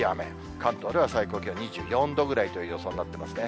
関東では最高気温２４度ぐらいという予想になってますね。